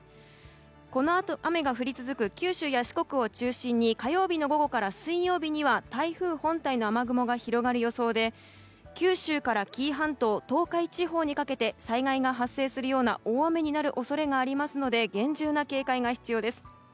このあと雨が降り続く九州や四国を中心に火曜日の午後から水曜日には台風本体の雨雲が広がる予想で九州から紀伊半島東海地方にかけて災害が発生するような大雨になる恐れがありますので厳重な警戒が必要です。